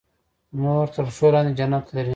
مور د پښو لاندې جنت لري